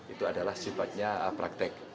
itu adalah sifatnya praktek